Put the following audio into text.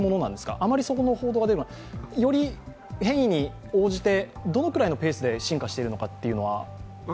あまりそこの報道がより変異に応じて、どのくらいのペースで進化しているのか。